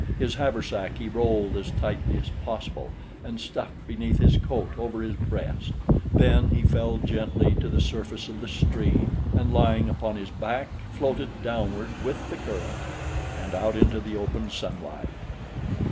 His haversack he rolled as tightly as possible and stuffed beneath his coat over his breast. Then he fell gently to the surface of the stream and lying upon his back floated downward with the current and out into the open sunlight.